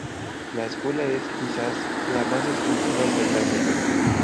La escuela es, quizás, la más exclusiva en Tailandia.